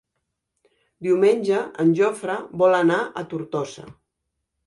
Diumenge en Jofre vol anar a Tortosa.